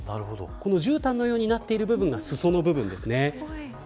このじゅうたんのようになっているのが裾の部分ですね。